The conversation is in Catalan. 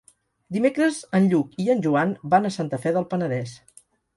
Dimecres en Lluc i en Joan van a Santa Fe del Penedès.